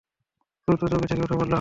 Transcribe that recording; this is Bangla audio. দ্রুত চৌকি থেকে উঠে পড়ল।